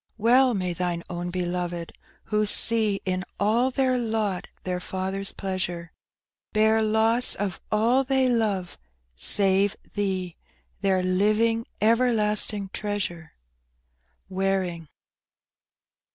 Well may Thine own beloved, who see In all their lot their Father's pleasure, Bear loss of all they love, save Thee — Their living, everlasting treasure. Waring.